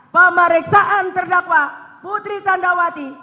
pemareksaan terdakwa putri jantrawati